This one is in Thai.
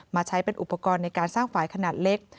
ใช้เป็นอุปกรณ์ในการสร้างฝ่ายขนาดเล็ก